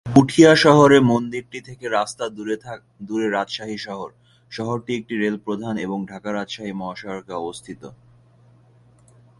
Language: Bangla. পুঠিয়া শহরে মন্দিরটি থেকে রাস্তা দ্বারা দূরে রাজশাহী শহর; শহরটি একটি রেল প্রধান এবং ঢাকা রাজশাহী মহাসড়কে অবস্থিত।